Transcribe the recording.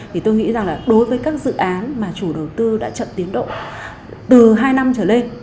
thì tôi nghĩ rằng là đối với các dự án mà chủ đầu tư đã chậm tiến độ từ hai năm trở lên